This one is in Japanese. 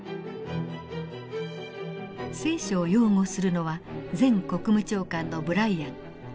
「聖書」を擁護するのは前国務長官のブライアン。